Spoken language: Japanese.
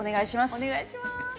お願いします。